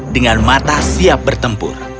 dengan mata siap bertempur